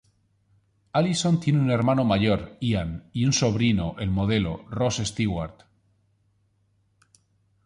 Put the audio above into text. Alison tiene un hermano mayor, Ian y un sobrino, el modelo, Ross Stewart.